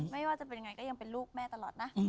ไม่ว่าจะเป็นยังไงก็ยังเป็นลูกแม่ตลอดนะ